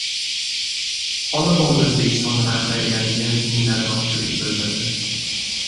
“Tolibon” O‘zbekiston rahbariyatiga minnatdorchilik bildirdi